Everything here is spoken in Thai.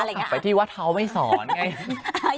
ต้องกลับไปที่วัตเทาไม่สอนไง